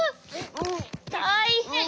たいへん。